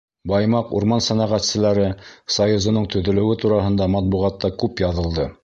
Баймаҡ урман сәнәғәтселәре союзының төҙөлөүе тураһында матбуғатта күп яҙылды.